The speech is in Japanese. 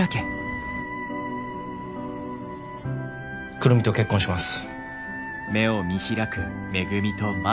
久留美と結婚します。